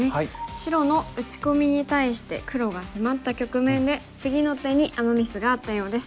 白の打ち込みに対して黒が迫った局面で次の手にアマ・ミスがあったようです。